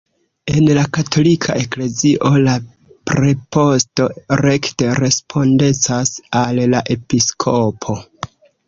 En la katolika eklezio la preposto rekte respondecas al la episkopo.